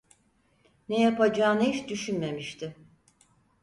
Ne yapacağını hiç düşünmemişti.